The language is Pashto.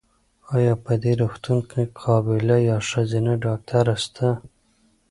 ایا په دي روغتون کې قابیله یا ښځېنه ډاکټره سته؟